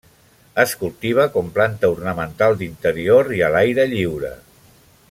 Es cultiva com planta ornamental d'interior i a l'aire lliure.